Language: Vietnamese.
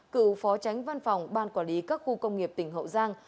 cựu phó tránh văn phòng ban quản lý các khu công nghiệp tỉnh hậu giang